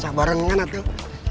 sabar ngenat yuk